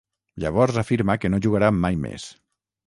Llavors afirma que no jugarà mai més.